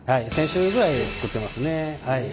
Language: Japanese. １，０００種類ぐらい作ってますね。